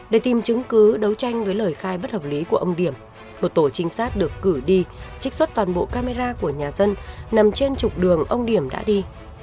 để tìm chứng cứ đấu tranh với lời khai bất hợp lý của ông điểm một tổ trinh sát được cử đi trích xuất toàn bộ camera của nhà dân nằm trên trục đường ông điểm đã đi